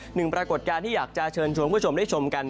หนึ่งปรากฏการณ์ที่อยากจะเชิญชวนคุณผู้ชมได้ชมกัน